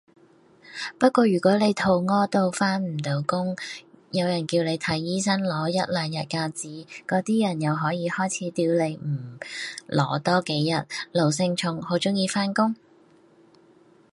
不過如果你肚痾到返唔到工，有人叫你睇醫生攞一兩日假紙，嗰啲人又可以開始屌你唔攞多幾日，奴性重好鍾意返工？